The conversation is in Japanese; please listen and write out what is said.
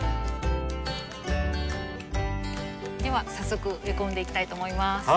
では早速植え込んでいきたいと思います。